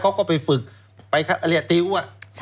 เขาก็ไปฝึกไปเรียกติ๊วอะ